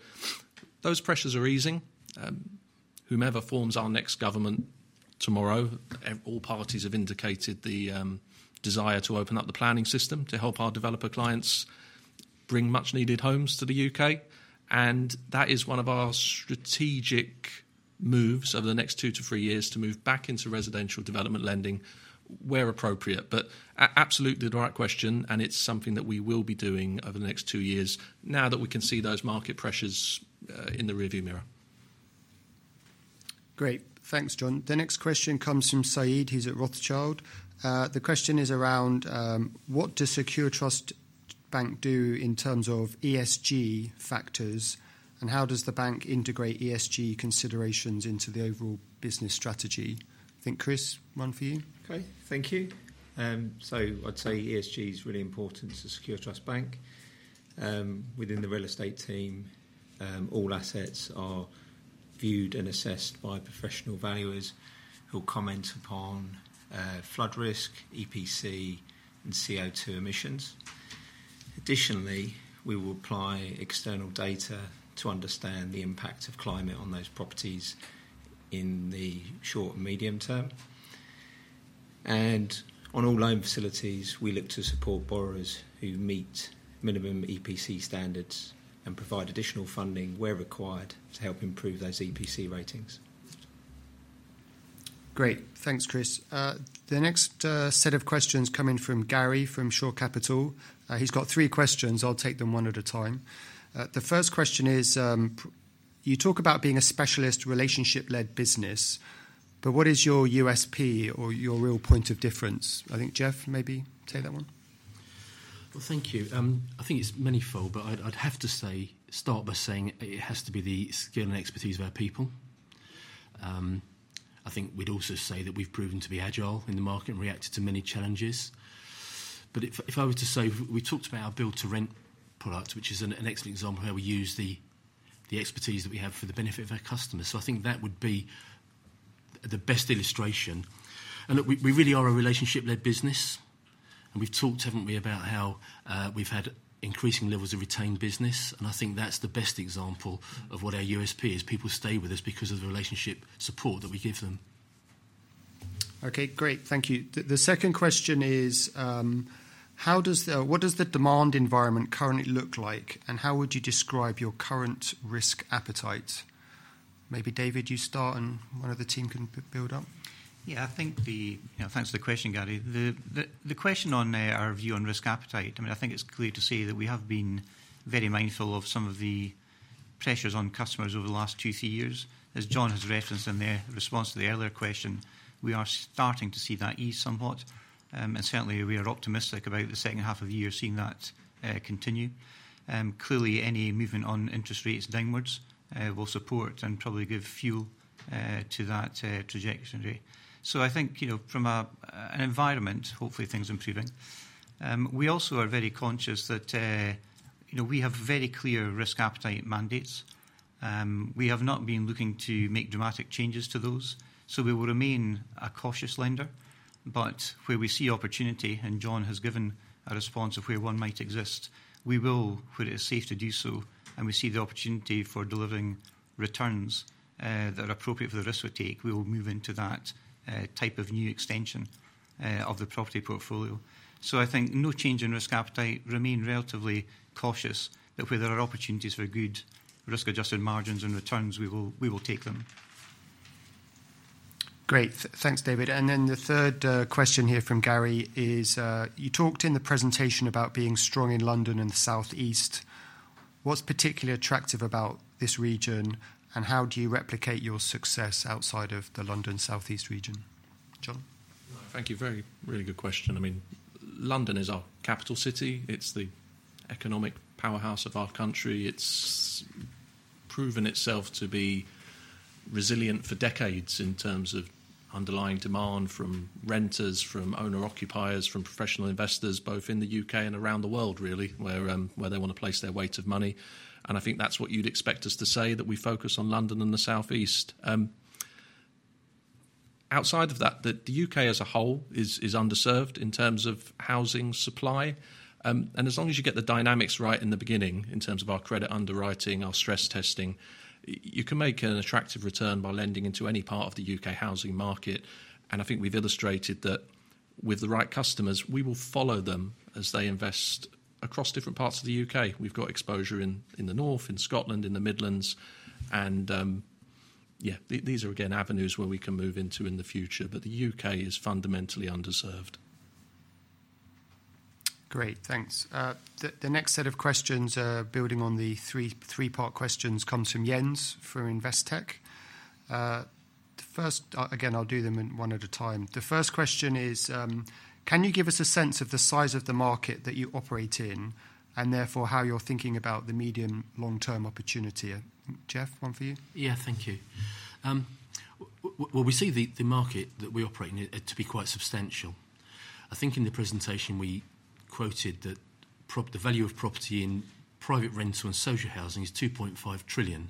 those pressures are easing. Whomever forms our next government tomorrow, all parties have indicated the desire to open up the planning system to help our developer clients bring much-needed homes to the U.K., and that is one of our strategic moves over the next 2 years-3 years to move back into residential development lending where appropriate. But absolutely the right question, and it's something that we will be doing over the next two years now that we can see those market pressures in the rearview mirror. Great. Thanks, John. The next question comes from Saeed. He's at Rothschild. The question is around what does Secure Trust Bank do in terms of ESG factors, and how does the bank integrate ESG considerations into the overall business strategy? I think, Chris, one for you. Okay, thank you. So I'd say ESG is really important to Secure Trust Bank. Within the real estate team, all assets are viewed and assessed by professional valuers who will comment upon flood risk, EPC, and CO2 emissions. Additionally, we will apply external data to understand the impact of climate on those properties in the short and medium term. On all loan facilities, we look to support borrowers who meet minimum EPC standards and provide additional funding where required to help improve those EPC ratings. Great. Thanks, Chris. The next set of questions come in from Gary from Shore Capital. He's got three questions. I'll take them one at a time. The first question is, you talk about being a specialist relationship-led business, but what is your USP or your real point of difference? I think, Geoff, maybe take that one. Well, thank you. I think it's manifold, but I'd have to say, start by saying it has to be the skill and expertise of our people. I think we'd also say that we've proven to be agile in the market and reacted to many challenges. But if I were to say, we talked about our build-to-rent product, which is an excellent example where we use the expertise that we have for the benefit of our customers. So I think that would be the best illustration. And look, we really are a relationship-led business, and we've talked, haven't we, about how we've had increasing levels of retained business, and I think that's the best example of what our USP is. People stay with us because of the relationship support that we give them. Okay, great. Thank you. The second question is, what does the demand environment currently look like, and how would you describe your current risk appetite? Maybe David, you start, and one of the team can build up. Yeah, I think the, thanks for the question, Gary. The question on our view on risk appetite, I mean, I think it's clear to see that we have been very mindful of some of the pressures on customers over the last 2 years-3 years. As John has referenced in their response to the earlier question, we are starting to see that ease somewhat, and certainly we are optimistic about the second half of the year seeing that continue. Clearly, any movement on interest rates downwards will support and probably give fuel to that trajectory. So I think from an environment, hopefully things are improving. We also are very conscious that we have very clear risk appetite mandates. We have not been looking to make dramatic changes to those, so we will remain a cautious lender, but where we see opportunity, and John has given a response of where one might exist, we will, where it is safe to do so, and we see the opportunity for delivering returns that are appropriate for the risk we take, we will move into that type of new extension of the property portfolio. So I think no change in risk appetite, remain relatively cautious, but where there are opportunities for good risk-adjusted margins and returns, we will take them. Great. Thanks, David. And then the third question here from Gary is, you talked in the presentation about being strong in London and the Southeast. What's particularly attractive about this region, and how do you replicate your success outside of the London Southeast region? John? Thank you. Very, really good question. I mean, London is our capital city. It's the economic powerhouse of our country. It's proven itself to be resilient for decades in terms of underlying demand from renters, from owner-occupiers, from professional investors, both in the U.K. and around the world, really, where they want to place their weight of money. And I think that's what you'd expect us to say, that we focus on London and the southeast. Outside of that, the U.K. as a whole is underserved in terms of housing supply. And as long as you get the dynamics right in the beginning in terms of our credit underwriting, our stress testing, you can make an attractive return by lending into any part of the U.K. housing market. And I think we've illustrated that with the right customers, we will follow them as they invest across different parts of the U.K. We've got exposure in the north, in Scotland, in the Midlands. And yeah, these are again avenues where we can move into in the future, but the U.K. is fundamentally underserved. Great. Thanks. The next set of questions are building on the three-part questions come from Jens for Investec. Again, I'll do them one at a time. The first question is, can you give us a sense of the size of the market that you operate in and therefore how you're thinking about the medium-long-term opportunity? Geoff, one for you. Yeah, thank you. Well, we see the market that we operate in to be quite substantial. I think in the presentation we quoted that the value of property in private rental and social housing is 2.5 trillion.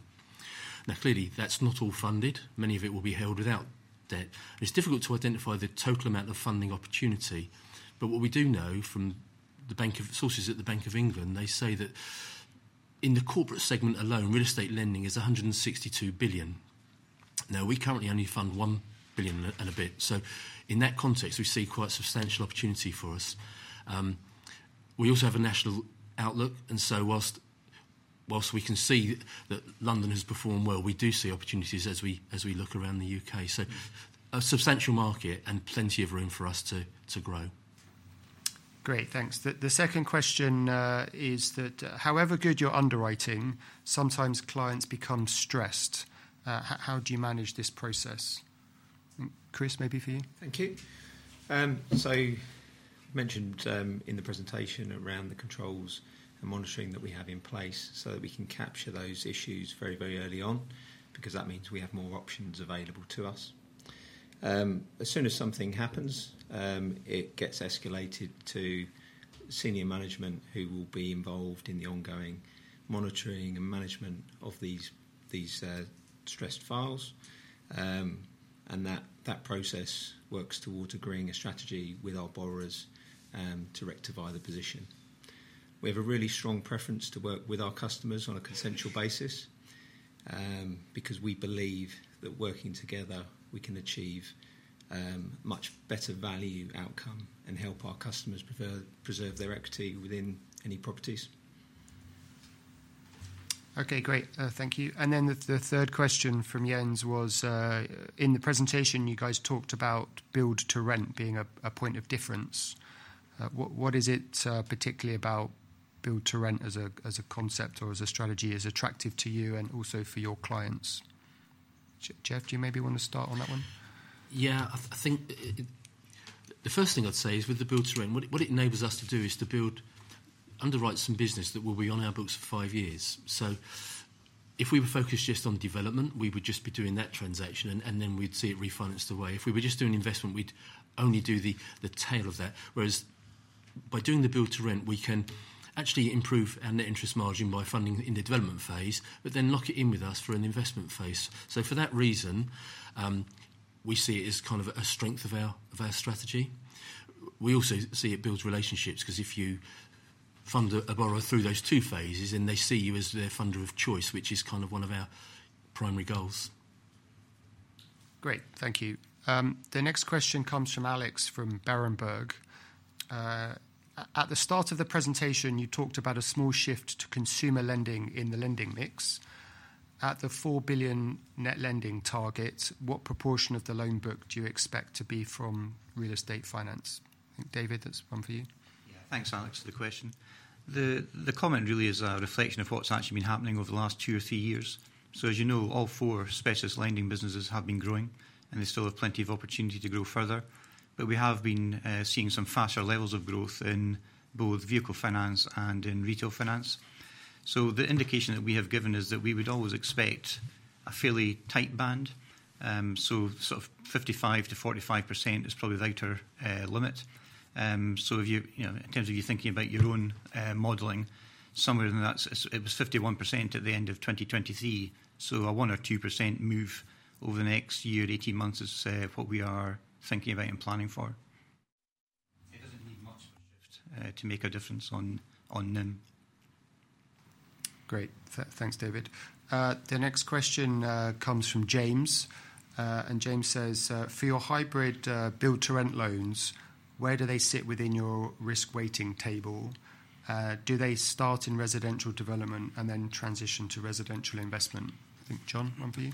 Now, clearly, that's not all funded. Many of it will be held without debt. It's difficult to identify the total amount of funding opportunity. But what we do know from the sources at the Bank of England, they say that in the corporate segment alone, real estate lending is 162 billion. Now, we currently only fund 1 billion and a bit. So in that context, we see quite a substantial opportunity for us. We also have a national outlook, and so whilst we can see that London has performed well, we do see opportunities as we look around the U.K. So a substantial market and plenty of room for us to grow. Great. Thanks. The second question is that however good your underwriting, sometimes clients become stressed. How do you manage this process? Chris, maybe for you. Thank you. So I mentioned in the presentation around the controls and monitoring that we have in place so that we can capture those issues very, very early on because that means we have more options available to us. As soon as something happens, it gets escalated to senior management who will be involved in the ongoing monitoring and management of these stressed files, and that process works towards agreeing a strategy with our borrowers to rectify the position. We have a really strong preference to work with our customers on a consensual basis because we believe that working together, we can achieve much better value outcome and help our customers preserve their equity within any properties. Okay, great. Thank you. And then the third question from Jens was, in the presentation, you guys talked about build-to-rent being a point of difference. What is it particularly about Build-to-Rent as a concept or as a strategy is attractive to you and also for your clients? Geoff, do you maybe want to start on that one? Yeah, I think the first thing I'd say is with the Build-to-Rent, what it enables us to do is to build, underwrite some business that will be on our books for five years. So if we were focused just on development, we would just be doing that transaction, and then we'd see it refinanced away. If we were just doing investment, we'd only do the tail of that. Whereas by doing the Build-to-Rent, we can actually improve our net interest margin by funding in the development phase, but then lock it in with us for an investment phase. So for that reason, we see it as kind of a strength of our strategy. We also see it builds relationships because if you fund a borrower through those two phases, then they see you as their funder of choice, which is kind of one of our primary goals. Great. Thank you. The next question comes from Alex from Berenberg. At the start of the presentation, you talked about a small shift to consumer lending in the lending mix. At the 4 billion net lending target, what proportion of the loan book do you expect to be from real estate finance? I think, David, that's one for you. Yeah, thanks, Alex, for the question. The comment really is a reflection of what's actually been happening over the last two or three years. So as you know, all four specialist lending businesses have been growing, and they still have plenty of opportunity to grow further. But we have been seeing some faster levels of growth in both vehicle finance and in retail finance. The indication that we have given is that we would always expect a fairly tight band. Sort of 55%-45% is probably the outer limit. In terms of you thinking about your own modeling, somewhere in that, it was 51% at the end of 2023. A 1% or 2% move over the next year, 18 months is what we are thinking about and planning for. It doesn't need much of a shift to make a difference on NIM. Great. Thanks, David. The next question comes from James. James says, for your hybrid build-to-rent loans, where do they sit within your risk-weighting table? Do they start in residential development and then transition to residential investment? I think, John, one for you.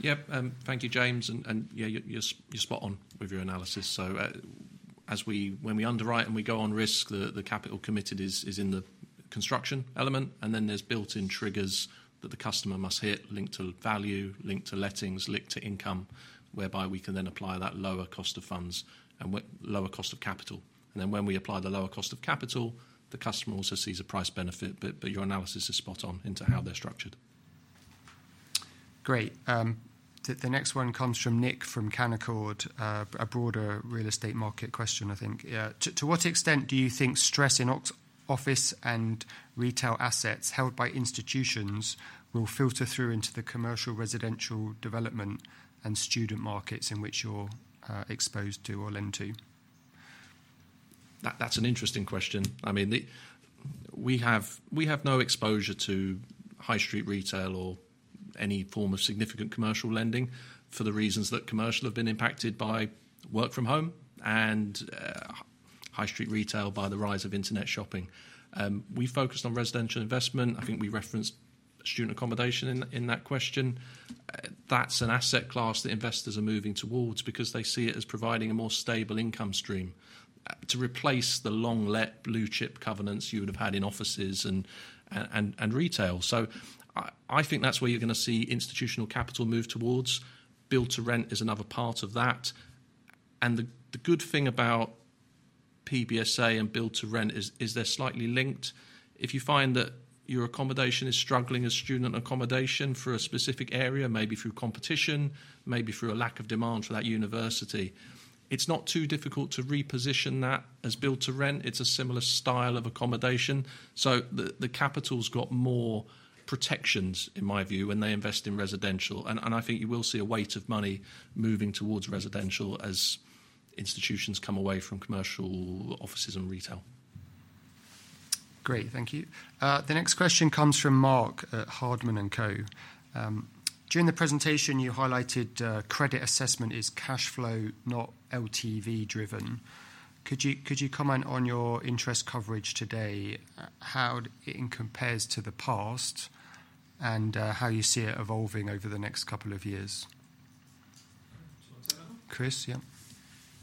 Yep. Thank you, James. Yeah, you're spot on with your analysis. When we underwrite and we go on risk, the capital committed is in the construction element, and then there's built-in triggers that the customer must hit linked to value, linked to lettings, linked to income, whereby we can then apply that lower cost of funds and lower cost of capital. Then when we apply the lower cost of capital, the customer also sees a price benefit. Your analysis is spot on into how they're structured. Great. The next one comes from Nick from Canaccord, a broader real estate market question, I think. To what extent do you think stress in office and retail assets held by institutions will filter through into the commercial residential development and student markets in which you're exposed to or lend to? That's an interesting question. I mean, we have no exposure to high street retail or any form of significant commercial lending for the reasons that commercial have been impacted by work from home and high street retail by the rise of internet shopping. We focused on residential investment. I think we referenced student accommodation in that question. That's an asset class that investors are moving towards because they see it as providing a more stable income stream to replace the long-let blue chip covenants you would have had in offices and retail. So I think that's where you're going to see institutional capital move towards. Build-to-Rent is another part of that. And the good thing about PBSA and Build-to-Rent is they're slightly linked. If you find that your accommodation is struggling as student accommodation for a specific area, maybe through competition, maybe through a lack of demand for that university, it's not too difficult to reposition that as build-to-rent. It's a similar style of accommodation. So the capital's got more protections, in my view, when they invest in residential. And I think you will see a weight of money moving towards residential as institutions come away from commercial offices and retail. Great. Thank you. The next question comes from Mark at Hardman & Co. During the presentation, you highlighted credit assessment is cash flow, not LTV-driven. Could you comment on your interest coverage today, how it compares to the past, and how you see it evolving over the next couple of years? Chris, yeah.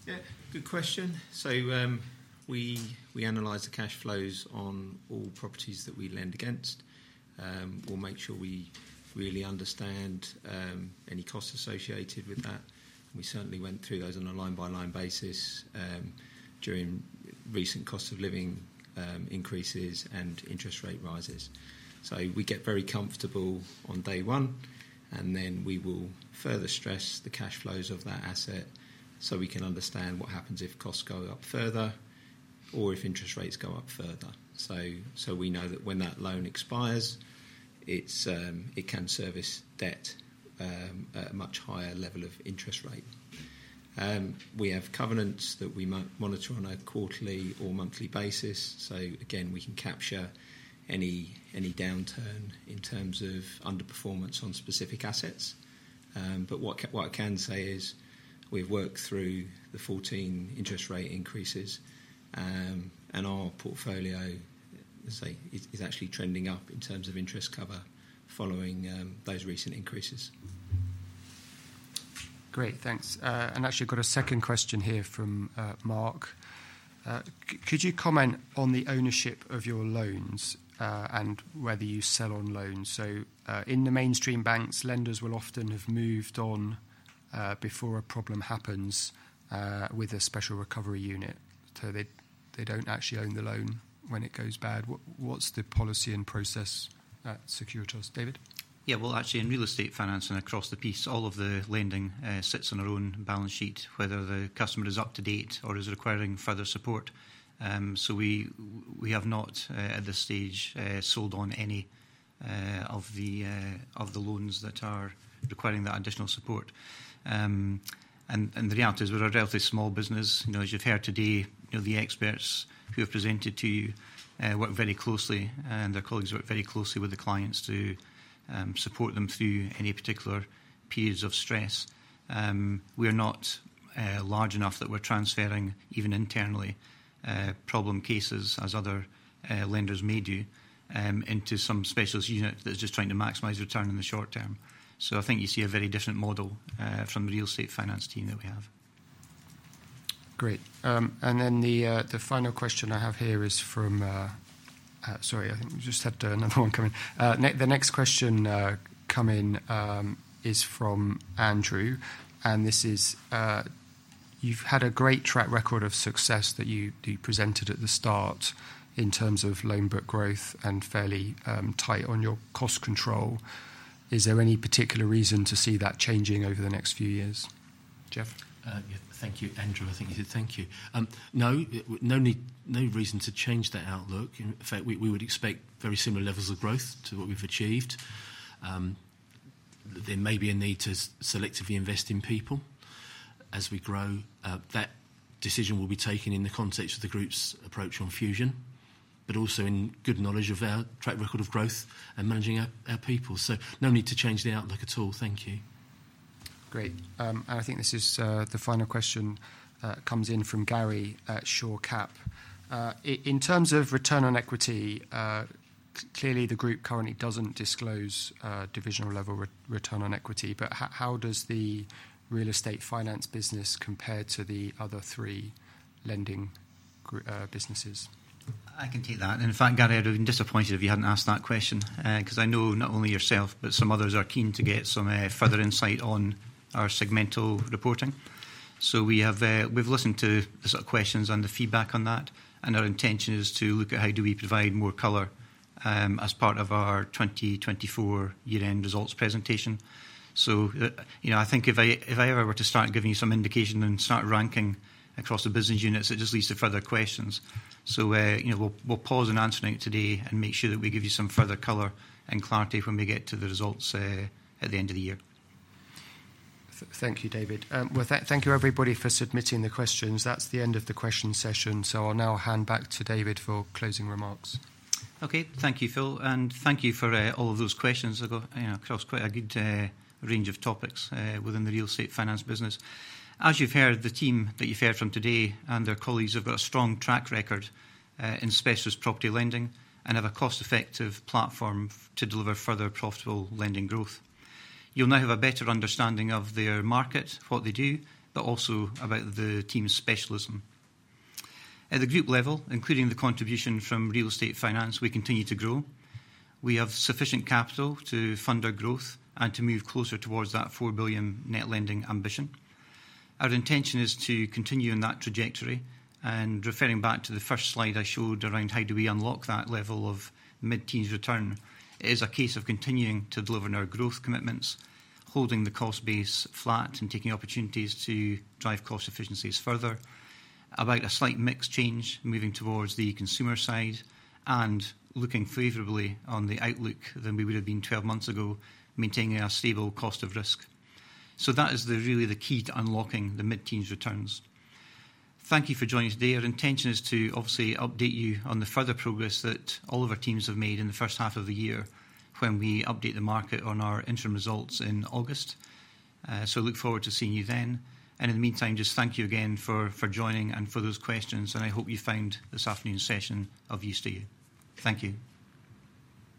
Yeah, good question. So we analyze the cash flows on all properties that we lend against. We'll make sure we really understand any costs associated with that. We certainly went through those on a line-by-line basis during recent cost of living increases and interest rate rises. So we get very comfortable on day one, and then we will further stress the cash flows of that asset so we can understand what happens if costs go up further or if interest rates go up further. So we know that when that loan expires, it can service debt at a much higher level of interest rate. We have covenants that we monitor on a quarterly or monthly basis. So again, we can capture any downturn in terms of underperformance on specific assets. But what I can say is we've worked through the 14 interest rate increases, and our portfolio is actually trending up in terms of interest cover following those recent increases. Great. Thanks. And actually, I've got a second question here from Mark. Could you comment on the ownership of your loans and whether you sell on loans? So in the mainstream banks, lenders will often have moved on before a problem happens with a special recovery unit so they don't actually own the loan when it goes bad. What's the policy and process at Secure Trust, David? Yeah, well, actually, in real estate finance and across the piece, all of the lending sits on our own balance sheet, whether the customer is up to date or is requiring further support. So we have not, at this stage, sold on any of the loans that are requiring that additional support. And the reality is we're a relatively small business. As you've heard today, the experts who have presented to you work very closely, and their colleagues work very closely with the clients to support them through any particular periods of stress. We're not large enough that we're transferring, even internally, problem cases as other lenders may do into some specialist unit that's just trying to maximize return in the short term. So I think you see a very different model from the Real Estate Finance team that we have. Great. And then the final question I have here is from sorry, I think we just had another one come in. The next question come in is from Andrew. And this is, you've had a great track record of success that you presented at the start in terms of loan book growth and fairly tight on your cost control. Is there any particular reason to see that changing over the next few years? Geoff? Thank you, Andrew. I think you said thank you. No, no reason to change that outlook. In fact, we would expect very similar levels of growth to what we've achieved. There may be a need to selectively invest in people as we grow. That decision will be taken in the context of the group's approach on Fusion, but also in good knowledge of our track record of growth and managing our people. So no need to change the outlook at all. Thank you. Great. And I think this is the final question that comes in from Gary at Shore Cap. In terms of return on equity, clearly, the group currently doesn't disclose divisional level return on equity. But how does the real estate finance business compare to the other three lending businesses? I can take that. In fact, Gary, I'd have been disappointed if you hadn't asked that question because I know not only yourself, but some others are keen to get some further insight on our segmental reporting. We've listened to the sort of questions and the feedback on that. Our intention is to look at how do we provide more color as part of our 2024 year-end results presentation. I think if I ever were to start giving you some indication and start ranking across the business units, it just leads to further questions. We'll pause on answering it today and make sure that we give you some further color and clarity when we get to the results at the end of the year. Thank you, David. Well, thank you, everybody, for submitting the questions. That's the end of the question session. So I'll now hand back to David for closing remarks. Okay. Thank you, Phil. And thank you for all of those questions. They go across quite a good range of topics within the Real Estate Finance business. As you've heard, the team that you've heard from today and their colleagues have got a strong track record in specialist property lending and have a cost-effective platform to deliver further profitable lending growth. You'll now have a better understanding of their market, what they do, but also about the team's specialism. At the group level, including the contribution from Real Estate Finance, we continue to grow. We have sufficient capital to fund our growth and to move closer towards that 4 billion net lending ambition. Our intention is to continue in that trajectory. Referring back to the first slide I showed around how do we unlock that level of mid-teens return, it is a case of continuing to deliver on our growth commitments, holding the cost base flat and taking opportunities to drive cost efficiencies further, about a slight mix change moving towards the consumer side and looking favorably on the outlook than we would have been 12 months ago, maintaining our stable cost of risk. So that is really the key to unlocking the mid-teens returns. Thank you for joining us today. Our intention is to obviously update you on the further progress that all of our teams have made in the first half of the year when we update the market on our interim results in August. So I look forward to seeing you then. And in the meantime, just thank you again for joining and for those questions. I hope you found this afternoon's session of use to you. Thank you.